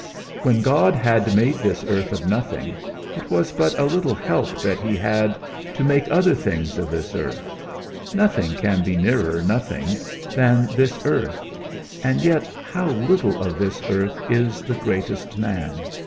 When God had made this earth of nothing, it was but a little help that he had, to make other things of this earth: nothing can be nearer nothing than this earth; and yet how little of this earth is the greatest man!